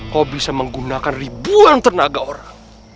kau bisa menggunakan ribuan tenaga orang